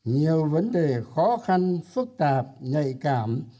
nhiều vấn đề khó khăn phức tạp nhạy cảm